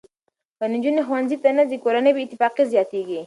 که نجونې ښوونځي ته نه ځي، کورني بې اتفاقي زیاتېږي.